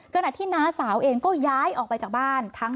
ขณะที่น้าสาวเองก็ย้ายออกไปจากบ้าน